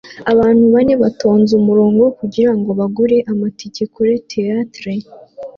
Abantu bane batonze umurongo kugirango bagure amatike kuri theatre